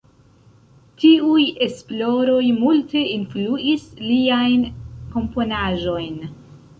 Tiuj esploroj multe influis liajn komponaĵojn.